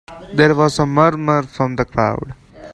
There was a murmur from the crowd.